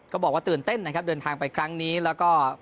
ก็บอกว่าตื่นเต้นนะครับเดินทางไปครั้งนี้แล้วก็